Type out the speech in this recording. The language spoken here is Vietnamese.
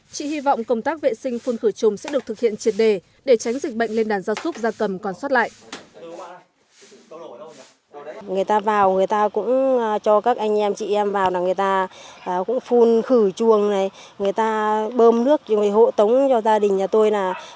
chị hy vọng công tác vệ sinh phun khử trùng sẽ được thực hiện triệt đề để tránh dịch bệnh lên đàn giao xúc gia cầm còn xót lại